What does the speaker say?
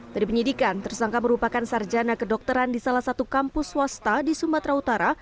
dari penyidikan tersangka merupakan sarjana kedokteran di salah satu kampus swasta di sumatera utara